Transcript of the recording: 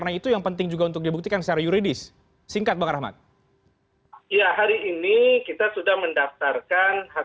melalui anggaran dasar anggaran rumah tangga tahun dua ribu dua puluh